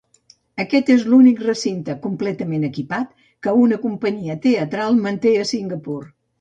Aquest és l'únic recinte completament equipat que una companyia teatral manté a Singapur.